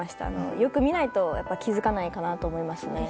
よく見ないと気づかないかなと思いますね。